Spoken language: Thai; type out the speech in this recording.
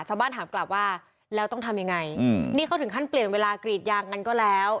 ถามกลับว่าแล้วต้องทำยังไงนี่เขาถึงขั้นเปลี่ยนเวลากรีดยางกันก็แล้ว